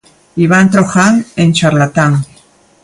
Ivan Trojan en 'Charlatán'.